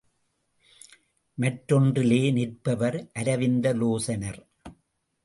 மற்றொன்றிலே நிற்பவர் அரவிந்த லோசனர்.